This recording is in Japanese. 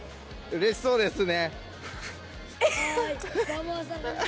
嬉しそうですね。